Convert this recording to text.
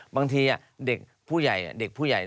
บางทีเด็กผู้ใหญ่